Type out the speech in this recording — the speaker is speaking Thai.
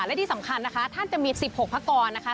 และที่สำคัญนะคะท่านจะมี๑๖พักกรนะคะ